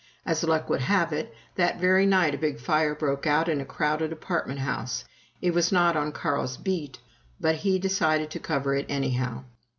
As luck would have it, that very night a big fire broke out in a crowded apartment house. It was not in Carl's "beat," but he decided to cover it anyhow.